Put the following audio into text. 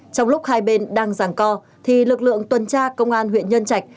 trong lúc hai bên đang giảng co thì lực lượng tuần tra công an huyện nhân trạch